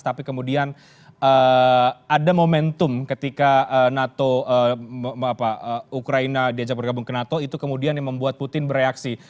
tapi kemudian ada momentum ketika nato ukraina diajak bergabung ke nato itu kemudian yang membuat putin bereaksi